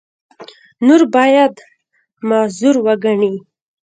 نور باید معذور وګڼي.